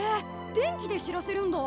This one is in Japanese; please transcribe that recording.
電気で知らせるんだ？